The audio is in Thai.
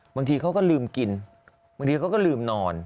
บางทีเขาก็ลืมกินบางทีเขาก็ลืมนอน